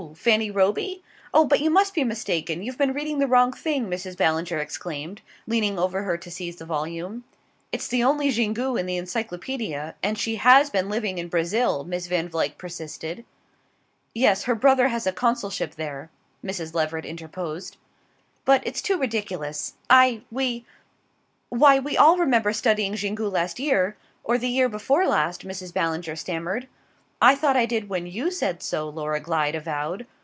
Fanny Roby? Oh, but you must be mistaken. You've been reading the wrong thing," Mrs. Ballinger exclaimed, leaning over her to seize the volume. "It's the only Xingu in the Encyclopaedia; and she has been living in Brazil," Miss Van Vluyck persisted. "Yes: her brother has a consulship there," Mrs. Leveret interposed. "But it's too ridiculous! I we why we all remember studying Xingu last year or the year before last," Mrs. Ballinger stammered. "I thought I did when you said so," Laura Glyde avowed.